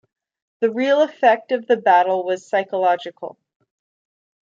The real effect of the battle was psychological.